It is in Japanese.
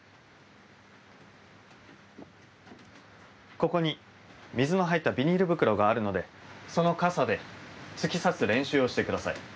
ここに水の入ったビニール袋があるのでその傘で突き刺す練習をしてください。